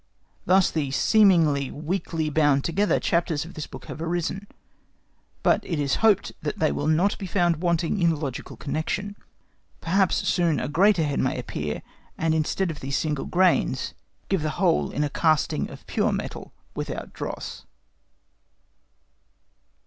Thus the seemingly weakly bound together chapters of this book have arisen, but it is hoped they will not be found wanting in logical connection. Perhaps soon a greater head may appear, and instead of these single grains, give the whole in a casting of pure metal without dross.